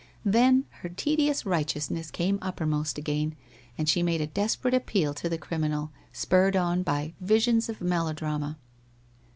Then, her tedious righteousness came uppermost again, and she made a desperate appeal to the criminal, spurred on by visions of melodrama.